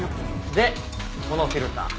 でこのフィルター。